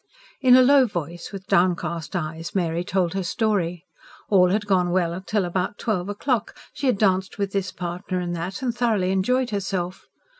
In a low voice, with downcast eyes, Mary told her story. All had gone well till about twelve o'clock: she had danced with this partner and that, and thoroughly enjoyed herself.